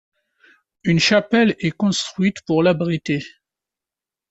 Une chapelle est construite pour l’abriter.